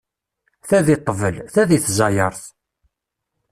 Ta di ṭṭbel, ta di tẓayeṛt.